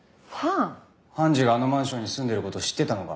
判事があのマンションに住んでる事を知ってたのか？